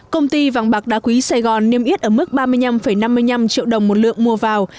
công ty vàng bạc đá quý sài gòn niêm yết ở mức ba mươi năm năm mươi năm triệu đồng một lượng mua vào